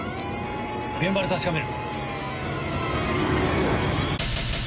現場で確かめる。